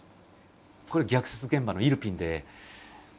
これ虐殺現場のイルピンで。